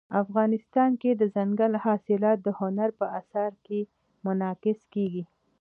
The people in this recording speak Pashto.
افغانستان کې دځنګل حاصلات د هنر په اثار کې منعکس کېږي.